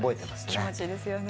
気持ちいいですよね。